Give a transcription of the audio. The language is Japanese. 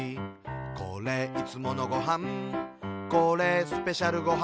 「これ、いつものごはんこれ、スペシャルごはん」